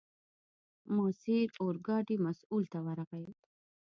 ماسیر اورګاډي مسوول ته ورغی.